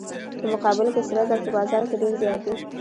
په مقابل کې سره زر په بازار کې ډیر زیات دي.